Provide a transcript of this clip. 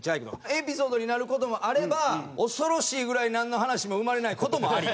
エピソードになる事もあれば恐ろしいぐらいなんの話も生まれない事もあり。